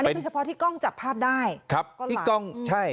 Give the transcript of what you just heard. อันนี้เป็นเฉพาะที่กล้องจับภาพได้